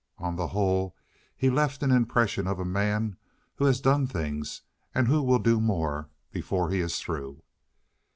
On the whole, he left an impression of a man who has done things and who will do more before he is through.